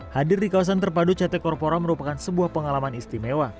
hadir di kawasan terpadu ct corpora merupakan sebuah pengalaman istimewa